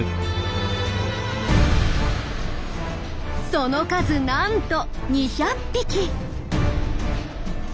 その数なんと２００匹！